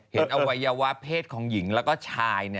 อวัยวะเพศของหญิงแล้วก็ชาย